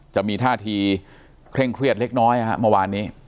จะมีท่าทีเคร่งเครียดเล็กน้อยเมื่อวานนี้